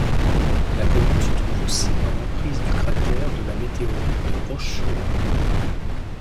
La commune se trouve aussi dans l'emprise du cratère de la météorite de Rochechouart.